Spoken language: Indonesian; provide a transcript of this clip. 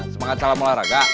semangat salam olahraga